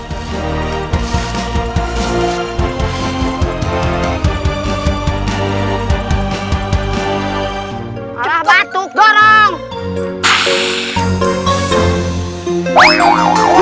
malah batu gorong